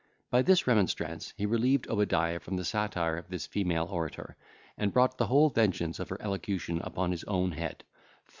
By this remonstrance he relieved Obadiah from the satire of this female orator, and brought the whole vengeance of her elocution upon his own head.